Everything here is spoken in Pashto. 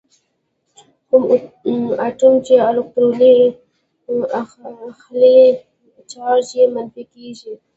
کوم اتوم چې الکترون اخلي چارج یې منفي کیږي.